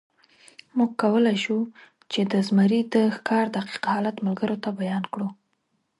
موږ کولی شو، چې د زمري د ښکار دقیق حالت ملګرو ته بیان کړو.